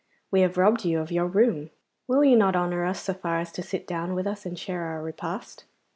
'We have robbed you of your room. Will you not honour us so far as to sit down with us and share our repast?